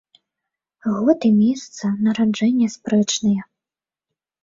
Год і месца нараджэння спрэчныя.